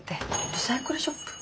リサイクルショップ？